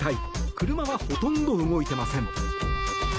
車はほとんど動いてません。